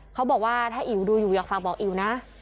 เขาบอกว่าถ้าอิ๋วดูอยู่อยากฝากบอกอิ๋วนะ